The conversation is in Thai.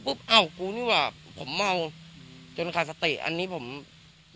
ปุ๊ะเอากูนี่วะผมเดี๋ยวระยุกต์คติอันนี้ผมแล้ว